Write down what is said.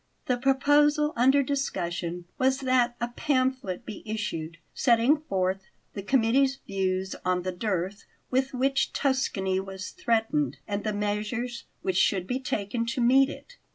The proposal under discussion was that a pamphlet be issued setting forth the committee's views on the dearth with which Tuscany was threatened and the measures which should be taken to meet it.